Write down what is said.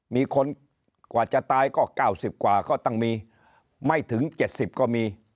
มีคนกว่าจะตายก็๙๐กว่าก็ต้องมีไม่ถึง๗๐ก็มี